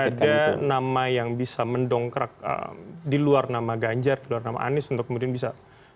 oke berarti menurut anda tidak ada nama yang bisa mendongkrak di luar nama ganjar di luar nama anies untuk kemudian bisa